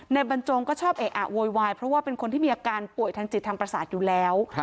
บรรจงก็ชอบเอะอะโวยวายเพราะว่าเป็นคนที่มีอาการป่วยทางจิตทางประสาทอยู่แล้ว